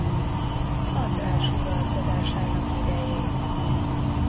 András uralkodásának idején.